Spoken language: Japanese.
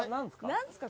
何ですか？